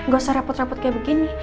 gak usah reput reput kayak begini